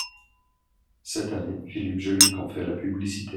Cette année, Philippe Geluck en fait la publicité.